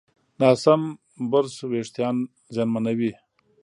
ناسم برش وېښتيان زیانمنوي.